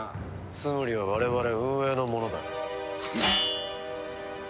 ツムリは我々運営のものだ。